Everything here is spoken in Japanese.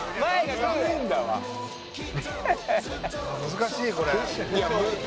難しいこれ。